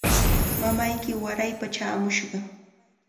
Mamayki waraypa chaamushqa.